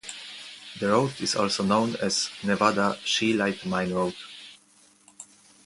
The road is also known as Nevada Scheelite Mine Road.